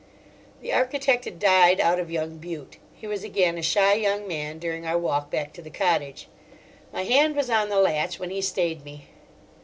The architect had died out of young Bute; he was again a shy young man during our walk back to the cottage. My hand was on the latch when he stayed me.